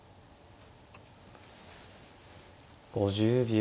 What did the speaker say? ５０秒。